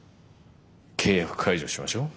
契約解除しましょう。